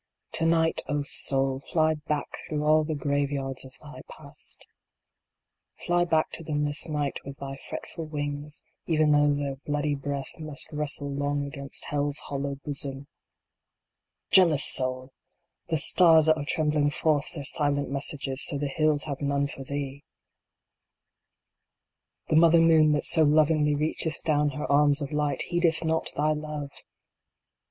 To night, O Soul ! fly back through all the grave yards of thy Past Fly back to them this night with thy fretful wings, even though their bloody breadth must wrestle long against Hell s hollow bosom ! III. Jealous Soul ! The stars that are trembling forth their silent messages to the hills have none for thee ! The mother moon that so lovingly reacheth down her arms of light heedeth not thy Love